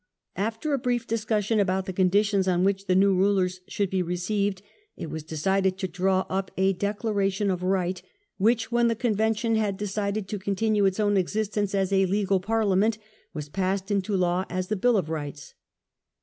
After a brief discussion about the conditions on which the new rulers should be received, it was decided to draw up a "Declaration of Right", which, when the Convention had decided to continue its own existence as a legal Parliament, was passed into law as the " Bill of Rights".